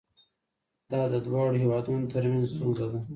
دا د دواړو هیوادونو ترمنځ ستونزه ده.